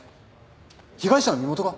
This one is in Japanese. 被害者の身元が？